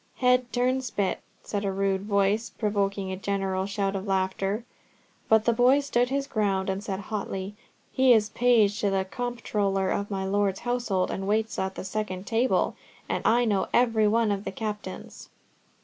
"Head turnspit," said a rude voice, provoking a general shout of laughter; but the boy stood his ground, and said hotly: "He is page to the comptroller of my lord's household, and waits at the second table, and I know every one of the captains."